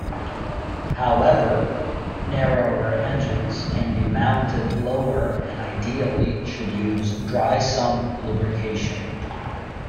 However, narrower engines can be mounted lower and ideally should use dry-sump lubrication.